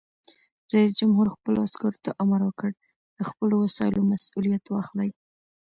رئیس جمهور خپلو عسکرو ته امر وکړ؛ د خپلو وسایلو مسؤلیت واخلئ!